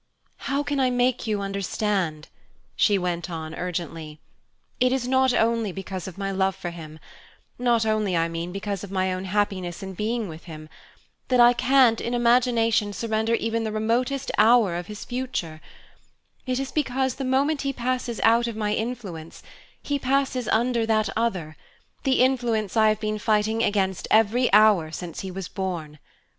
"How can I make you understand?" she went on urgently. "It is not only because of my love for him not only, I mean, because of my own happiness in being with him; that I can't, in imagination, surrender even the remotest hour of his future; it is because, the moment he passes out of my influence, he passes under that other the influence I have been fighting against every hour since he was born!